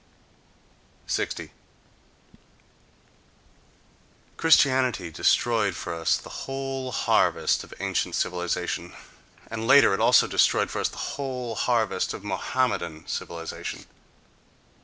60. Christianity destroyed for us the whole harvest of ancient civilization, and later it also destroyed for us the whole harvest of Mohammedan civilization.